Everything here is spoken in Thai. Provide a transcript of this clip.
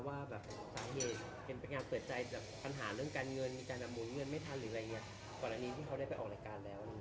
ว่าสาเหตุเป็นไปงานเปิดใจจากปัญหาเรื่องการเงินมีการอำนวยเงินไม่ทันหรืออะไรอย่างนี้